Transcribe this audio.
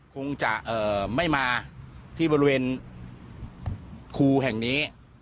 คงจะไม่มาที่บริเวณครูแห่งนี้